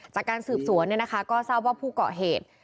จากการสืบสวนนะนะคะก็เศร้าว่าผู้เกาะเหตุ